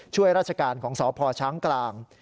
ช่วยราชการของสพช้างกลาง